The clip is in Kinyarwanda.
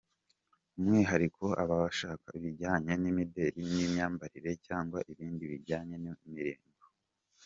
By; umwihariko aba ashaka ibijyanye n’imideli n’imyambarire cyangwa ibindi bijyanye n’imirimbo.